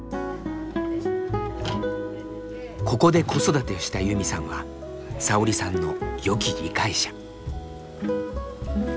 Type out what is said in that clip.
ここで子育てしたユミさんはさおりさんのよき理解者。